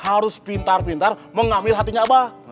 harus pintar pintar mengambil hatinya apa